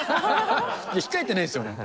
控えてないですよね。